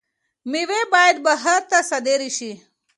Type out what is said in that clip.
میوې باید بهر ته صادر شي.